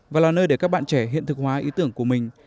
và là nơi để các bạn trẻ hiện thực hóa ý tưởng của mình